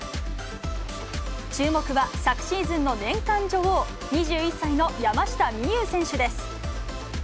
注目は昨シーズンの年間女王、２１歳の山下美夢有選手です。